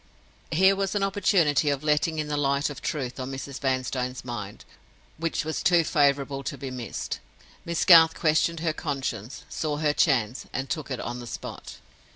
Here was an opportunity of letting in the light of truth on Mrs. Vanstone's mind, which was too favorable to be missed. Miss Garth questioned her conscience, saw her chance, and took it on the spot.